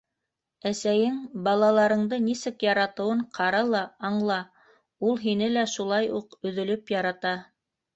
Әсәйең балаларыңды нисек яратыуын ҡара ла аңла: ул һине лә шулай уҡ өҙөлөп ярата.